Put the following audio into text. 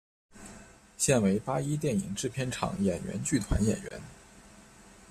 现为八一电影制片厂演员剧团演员。